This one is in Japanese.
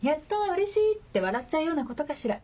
うれしい！」って笑っちゃうようなことかしら。